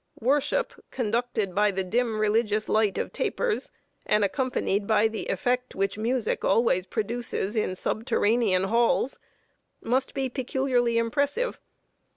Worship, conducted by the "dim religious light" of tapers, and accompanied by the effect which music always produces in subterranean halls, must be peculiarly impressive.